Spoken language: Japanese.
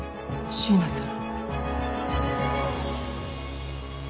椎名さん？